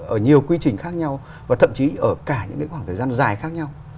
ở nhiều quy trình khác nhau và thậm chí ở cả những khoảng thời gian dài khác nhau